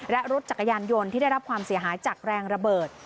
และรถจักรยานยนต์ที่ได้รับความเสียหายจากแรงระเบิด